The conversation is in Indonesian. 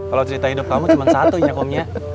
kalau cerita hidup kamu cuma satu ya omnya